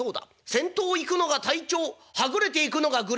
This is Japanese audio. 先頭を行くのが隊長はぐれて行くのが愚連隊」。